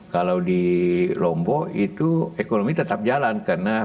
kalau di lombok itu ekonomi tetap jalan